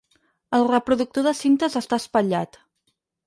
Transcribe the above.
El reproductor de cintes està espatllat.